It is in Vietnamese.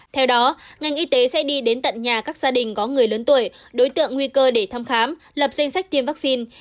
theo đó ngành y tế sẽ đi đến tận nhà các gia đình có người lớn tuổi đối tượng nguy cơ để thăm khám lập danh sách tiêm vaccine